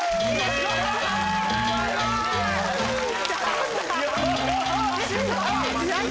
すごい！